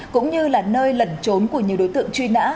cũng như là nơi lẩn trốn của nhiều đối tượng truy nã